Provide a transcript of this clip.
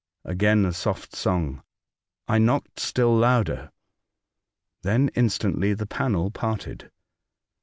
Again a soft song. I knocked still louder. Then instantly the panel parted.